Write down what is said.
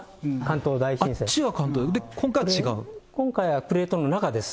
あっちは、今回はプレートの中です。